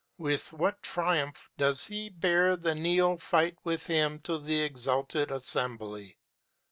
With what triumph does he bear the neophyte with him to the exalted assembly!